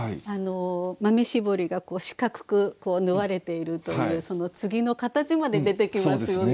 豆絞りがこう四角く縫われているというその継ぎの形まで出てきますよね。